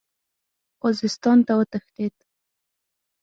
خوزستان ته وتښتېد.